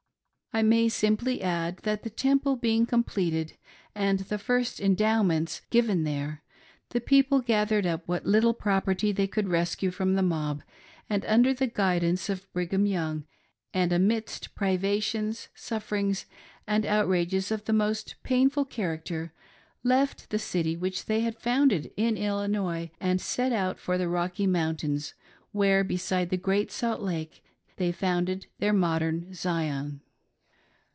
I may simply add, that the Temple being completed, and the first " Endow ments" given there, the people gathered up what little pro perty they could rescue from the mob, and under the guid ance of Brigham Young, and amidst privations, sufferings, and outrages of the most painful character, left the city which they had founded in Illinois and set out for the Rocky Moun tains, where, beside the Great Salt Lake, they founded their modern Zion.